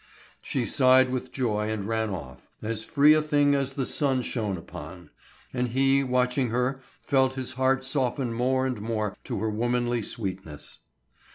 She sighed with joy and ran off, as free a thing as the sun shone upon; and he watching her felt his heart soften more and more to her womanly sweetness.